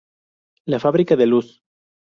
La Fábrica de Luz.